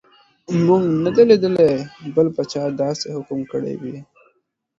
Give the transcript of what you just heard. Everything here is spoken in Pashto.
موږ نه دي لیدلي چې کوم بل پاچا داسې حکم کړی وي.